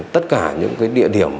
tất cả những địa điểm